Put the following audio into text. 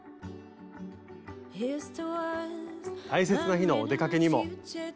大切な日のお出かけにも。